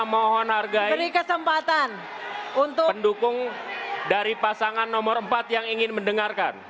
mohon hargai pendukung dari pasangan nomor empat yang ingin mendengarkan